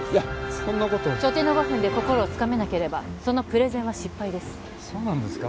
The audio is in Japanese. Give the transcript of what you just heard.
そんなこと初手の５分で心をつかめなければそのプレゼンは失敗ですそうなんですか？